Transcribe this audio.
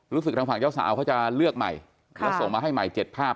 ทางฝั่งเจ้าสาวเขาจะเลือกใหม่แล้วส่งมาให้ใหม่๗ภาพ